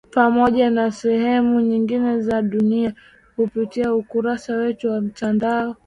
Pamoja na sehemu nyingine za dunia kupitia ukurasa wetu wa mtandao